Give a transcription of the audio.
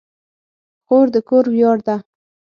خور د کور ویاړ ده.